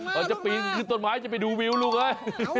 เขาจะปีนต้นมายจะไปดูวิวลูกเลย